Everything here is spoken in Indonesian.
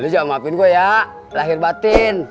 lo jangan maafin gua ya lahir batin